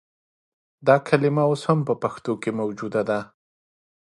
دا کلمه اوس هم په پښتو کښې موجوده ده